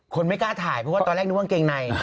คนไม่กล้าถ่ายเพราะว่าตอนแรกนึกว่ากางเกงใน